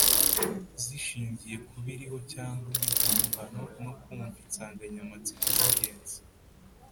zishingiye ku biriho cyangwa ibihimbano, no kumva insanganyamatsiko z’ingenzi,